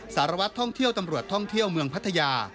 สารวัตรท่องเที่ยวตำรวจท่องเที่ยวเมืองพัทยา